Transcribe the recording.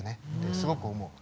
すごく思う。